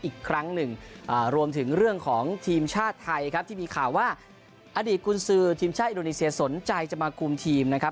อีกครั้งหนึ่งรวมถึงเรื่องของทีมชาติไทยครับที่มีข่าวว่าอดีตกุญสือทีมชาติอินโดนีเซียสนใจจะมาคุมทีมนะครับ